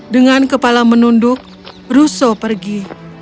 dengan kepala menunduk russo pergi